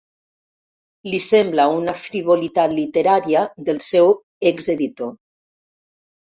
Li sembla una frivolitat literària del seu exeditor.